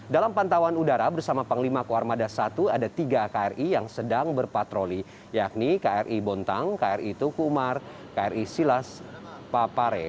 dalam pantauan udara bersama panglima kuarmada satu ada tiga kri yang sedang berpatroli yakni kri bontang kri tuku umar kri silas papare